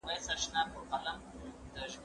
زه به سبا لاس پرېولم!!